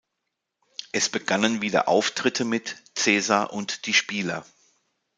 Es begannen wieder Auftritte mit „Cäsar und die Spieler“.